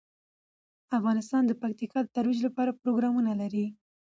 افغانستان د پکتیکا د ترویج لپاره پروګرامونه لري.